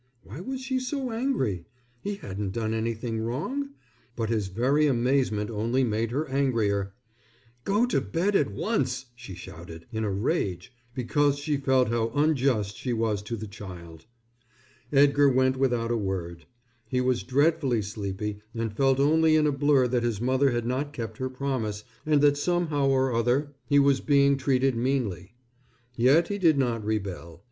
Why was she so angry? He hadn't done anything wrong. But his very amazement only made her angrier. "Go to bed at once," she shouted, in a rage, because she felt how unjust she was to the child. Edgar went without a word. He was dreadfully sleepy and felt only in a blur that his mother had not kept her promise and that somehow or other he was being treated meanly. Yet he did not rebel.